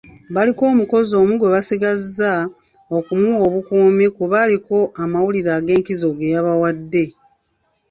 Baliko omukozi omu gwe basigazza okumuwa obukuumi kuba aliko amawulire ag'enkizo ge yabawadde.